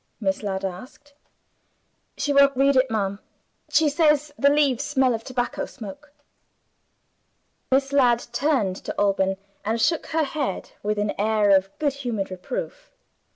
Miss Ladd asked. "She won't read it, ma'am. She says the leaves smell of tobacco smoke." Miss Ladd turned to Alban, and shook her head with an air of good humored reproof.